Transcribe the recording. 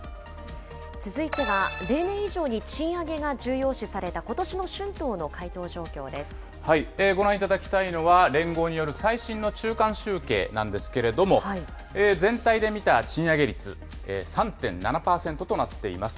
続いては、例年以上に賃上げが重要視されたことしの春闘の回ご覧いただきたいのは、連合による最新の中間集計なんですけれども、全体で見た賃上げ率、３．７％となっています。